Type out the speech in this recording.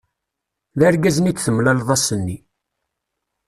D argaz-nni i d-temlaleḍ ass-nni.